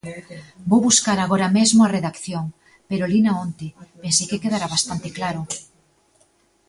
Vou buscar agora mesmo a redacción, pero lina onte, pensei que quedara bastante claro.